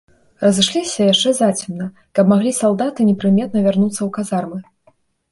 Разышліся яшчэ зацемна, каб маглі салдаты непрыметна вярнуцца ў казармы.